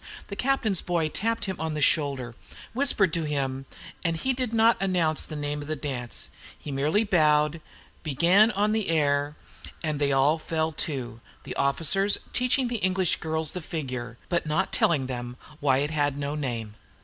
the captain's boy tapped him on the shoulder, whispered to him, and he did not announce the name of the dance; he merely bowed, began on the air, and they all fell to, the officers teaching the English girls the figure, but not telling them why it had no name.